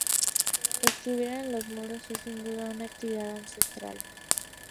Escribir en los muros es sin duda una actividad ancestral.